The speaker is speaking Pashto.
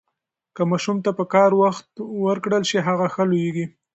که ماشوم ته پکار وخت ورکړل شي، هغه ښه لوییږي.